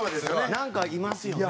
なんかいますよね。